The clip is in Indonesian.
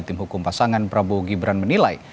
tim hukum pasangan prabowo gibran menilai